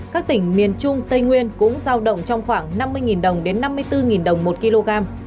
các tỉnh miền trung tây nguyên cũng giao động trong khoảng năm mươi đồng đến năm mươi bốn đồng một kg